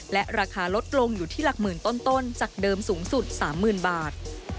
และราคาลดลงอยู่ที่หลักหมื่นต้นจากเดิมสูงสุด๓๐๐๐บาท